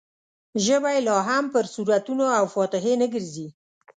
ژبه یې لا هم پر سورتونو او فاتحې نه ګرځي.